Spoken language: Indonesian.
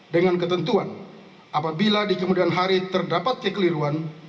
dengan ketentuan apabila di kemudian hari terdapat kekeliruan